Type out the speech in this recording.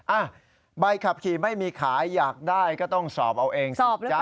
อ่ะใบขับขี่ไม่มีขายอยากได้ก็ต้องสอบเอาเองสิจ๊ะ